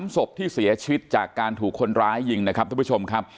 ๓ศพที่เสียชีวิตจากการถูกคนร้ายยิงนะครับท่านผู้ชมครับ